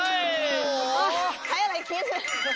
เออให้อะไรคิด